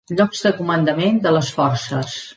Llocs de comandament de les forces.